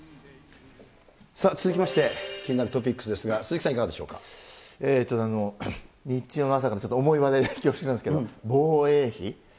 続きまして、気になるトピックスですが、鈴木さん、いかがでしょ日曜の朝からちょっと重い話題で恐縮なんですが、防衛費。